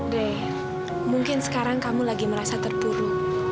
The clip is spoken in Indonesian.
dek mungkin sekarang kamu lagi merasa terpuruk